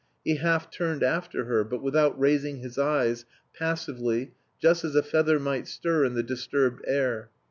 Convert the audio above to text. He half turned after her, but without raising his eyes, passively, just as a feather might stir in the disturbed air.